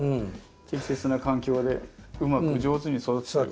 適切な環境でうまく上手に育ててる。